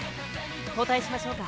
交代しましょうか。